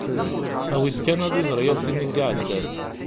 Awi-d kan ad iẓer yal tin i d-iɛeddin.